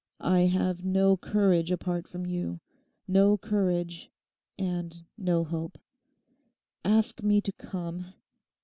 'I have no courage apart from you; no courage and no hope. Ask me to come!